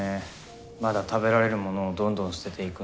まだ食べられるものをどんどん捨てていくの。